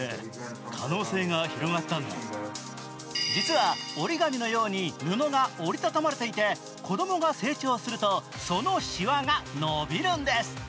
実は折り紙のように布が折り畳まれていて子供が成長するとそのしわが伸びるんです。